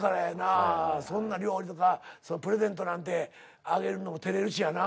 そんな料理とかプレゼントなんてあげるのてれるしやな。